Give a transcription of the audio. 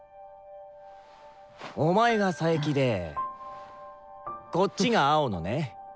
お前が佐伯でこっちが青野ね。